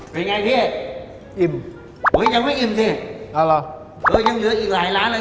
เป็นไงพี่อิ่มโอ้ยยังไม่อิ่มสิเอาเหรอเออยังเหลืออีกหลายร้านเลย